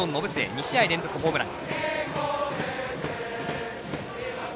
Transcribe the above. ２試合連続ホームラン。